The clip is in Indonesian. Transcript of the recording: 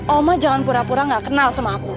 oma jangan pura pura gak kenal sama aku